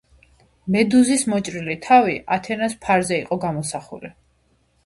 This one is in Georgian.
მედუზის მოჭრილი თავი ათენას ფარზე იყო გამოსახული.